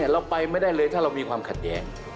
เราไปไม่ได้เลยถ้าเรามีความขัดแย้ง